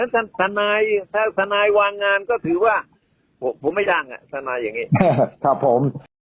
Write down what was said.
ทนายถ้าทนายวางงานก็ถือว่าผมไม่จ้างทนายอย่างนี้ครับผม